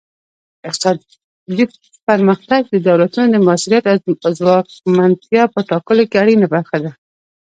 اقتصادي پرمختګ د دولتونو د موثریت او ځواکمنتیا په ټاکلو کې اړینه برخه ده